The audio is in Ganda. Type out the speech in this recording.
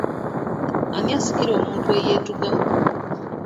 Ani asikira omuntu eyeetuga?